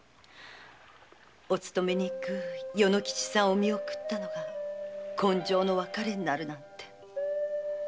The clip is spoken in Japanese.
お勤めに行く与之吉さんを見送ったのが今生の別れになるなんて。